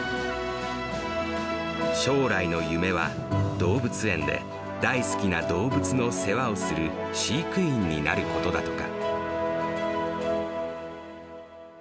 動物園で大好きな動物の世話をする飼育員になることだとか。